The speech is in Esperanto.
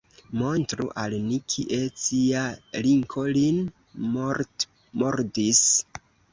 Montru al ni, kie cia linko lin mortmordis?!